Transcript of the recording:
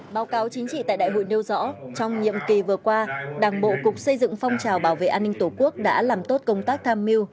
báo cáo chính trị tại đại hội nêu rõ trong nhiệm kỳ vừa qua đảng bộ cục xây dựng phong trào bảo vệ an ninh tổ quốc đã làm tốt công tác tham mưu